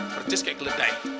percis kayak keledai